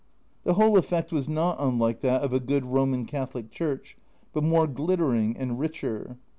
The whole effect was not unlike that of a good Roman Catholic Church, but more glittering and richer.